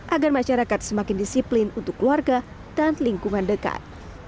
agar masyarakat semakin disiplin untuk keluarga dan lingkungan dekat